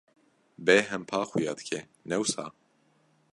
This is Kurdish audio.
Bêhempa xuya dike, ne wisa?